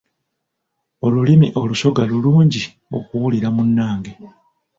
Olulimi olusoga lulungi okuwulira munnange.